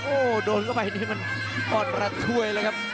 โอ้โหโดนเข้าไปนี่มันอ่อนรัดช่วยเลยครับ